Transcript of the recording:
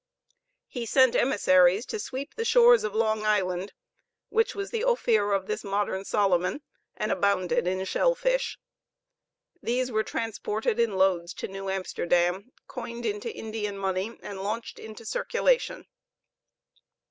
He sent emissaries to sweep the shores of Long Island, which was the Ophir of this modern Solomon, and abounded in shell fish. These were transported in loads to New Amsterdam, coined into Indian money, and launched into circulation.